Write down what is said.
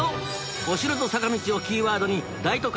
「お城」と「坂道」をキーワードに大都会